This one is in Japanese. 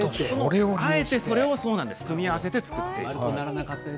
あえてそれを組み合わせて作っているんです。